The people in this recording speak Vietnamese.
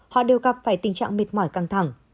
họ đều gặp phải tình trạng mệt mỏi căng thẳng